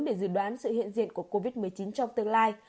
để dự đoán sự hiện diện của covid một mươi chín trong tương lai